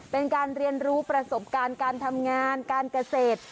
เป็นการเรียนรู้ประสบการณ์การทำงานการเกษตร